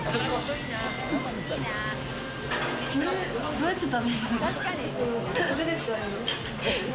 どうやって食べる？